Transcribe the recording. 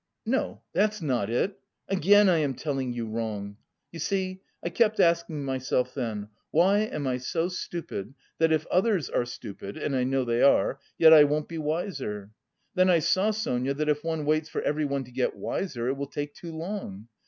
No, that's not it! Again I am telling you wrong! You see I kept asking myself then: why am I so stupid that if others are stupid and I know they are yet I won't be wiser? Then I saw, Sonia, that if one waits for everyone to get wiser it will take too long....